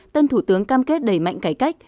tân thủ tướng cam kết đẩy mạnh cải cách